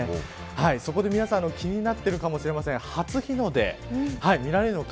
そこで皆さん気になっているかもしれません初日の出、見られるのか。